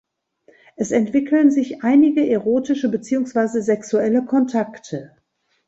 Es entwickeln sich einige erotische beziehungsweise sexuelle Kontakte.